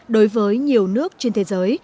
đối với nhiều nước trên thế giới